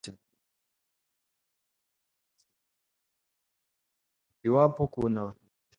Iwapo kuna wadhifa wowote unaoumezea mate